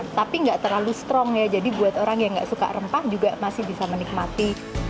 tapi nggak terlalu strong ya jadi buat orang yang gak suka rempah juga masih bisa menikmati